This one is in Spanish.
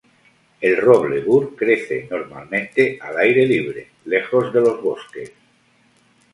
El Roble Bur crece normalmente al aire libre, lejos de los bosques.